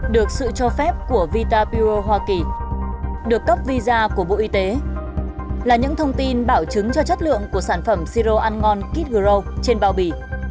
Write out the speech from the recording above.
được sự cho phép của vita bureau hoa kỳ được cấp visa của bộ y tế là những thông tin bảo chứng cho chất lượng của sản phẩm si rô ăn ngon kidgrow trên bao bì